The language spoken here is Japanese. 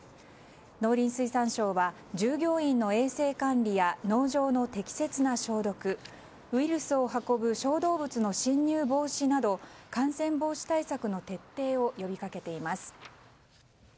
農林水産省は従業員の衛生管理や農場の適切な消毒ウイルスを運ぶ小動物の侵入防止など感染防止対策の徹底を呼び掛けています。